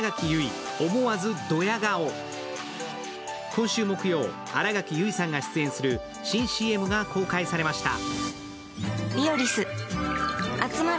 今週木曜、新垣結衣さんが出演する新ＣＭが公開されました。